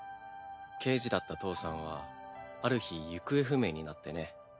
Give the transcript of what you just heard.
刑事だった父さんはある日行方不明になってね。